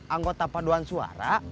anggota paduan suara